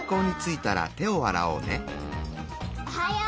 おはよう！